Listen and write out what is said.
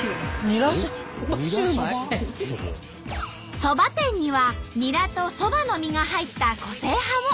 そば店にはニラとそばの実が入った個性派も。